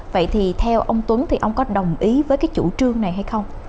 vậy thì theo ông tuấn thì ông có đồng ý với cái chủ trương này hay không